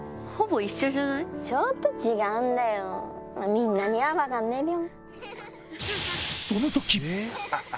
みんなには分かんねえべよ。